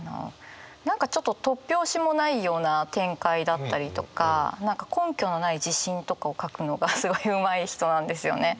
何かちょっと突拍子もないような展開だったりとか何か根拠のない自信とかを書くのがすごいうまい人なんですよね。